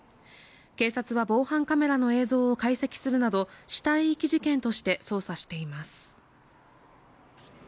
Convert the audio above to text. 警察は防犯カメラの映像を解析するなど死体遺棄事件として捜査しています